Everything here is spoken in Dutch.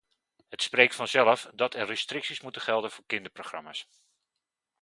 Het spreekt vanzelf dat er restricties moeten gelden voor kinderprogramma's.